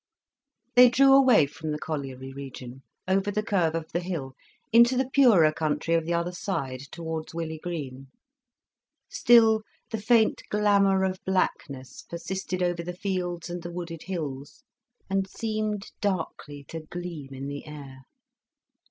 They drew away from the colliery region, over the curve of the hill, into the purer country of the other side, towards Willey Green. Still the faint glamour of blackness persisted over the fields and the wooded hills, and seemed darkly to gleam in the air.